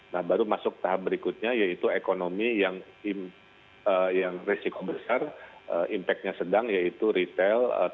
nah baru masuk tahap berikutnya yaitu ekonomi yang resiko besar impactnya sedang yaitu retail